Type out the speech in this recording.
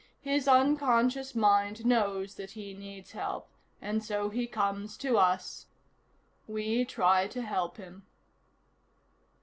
His unconscious mind knows that he needs help, and so he comes to us. We try to help him."